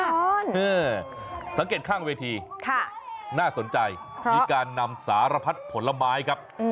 เออสังเกตข้างเวทีน่าสนใจมีการนำสารพัดผลไม้ครับ